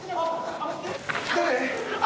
誰？